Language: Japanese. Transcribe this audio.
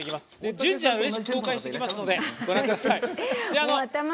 順次レシピは公開していきますのでご覧ください。